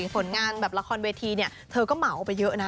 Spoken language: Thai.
ผลงานแบบละครเวทีเนี่ยเธอก็เหมาไปเยอะนะ